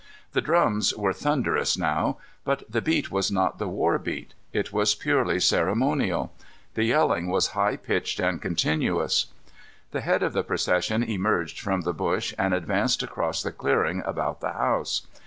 The drums were thunderous now, but the beat was not the war beat. It was purely ceremonial. The yelling was high pitched and continuous. The head of the procession emerged from the bush and advanced across the clearing about the house.